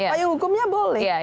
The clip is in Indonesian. payung hukumnya boleh